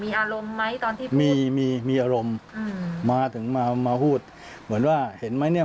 มีอารมณ์ไหมตอนที่มีมีอารมณ์อืมมาถึงมามาพูดเหมือนว่าเห็นไหมเนี่ย